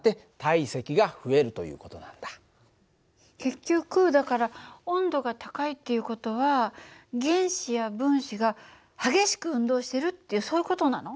結局だから温度が高いっていう事は原子や分子が激しく運動してるってそういう事なの？